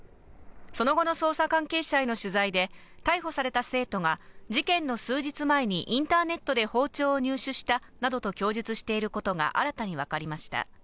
その後の捜査関係者への取材で逮捕された生徒が事件の数日前にインターネットで包丁を入手したなどと供述していることが新たに分かりました。